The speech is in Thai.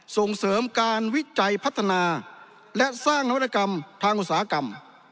ส่งเสริมการวิจัยพัฒนาและสร้างนวัตกรรมทางอุตสาหกรรม